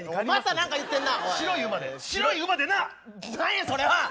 何やそれは！